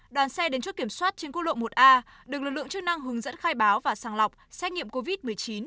đoàn xe đến chốt kiểm soát trên quốc lộ một a được lực lượng chức năng hướng dẫn khai báo và sàng lọc xét nghiệm covid một mươi chín